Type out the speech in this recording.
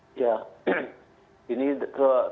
ini terutama kita belajar dari sumeru ini ada interaksi